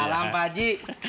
waalaikumsalam pak haji